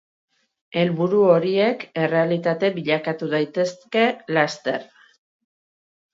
Helburu horiek errealitate bilakatu daitezke laster.